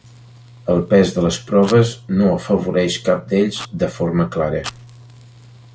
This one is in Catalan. El pes de les proves no afavoreix cap d'ells de forma clara.